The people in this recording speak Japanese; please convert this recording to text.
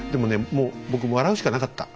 もう僕笑うしかなかった。